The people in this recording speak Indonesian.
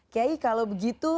kiai kalau begitu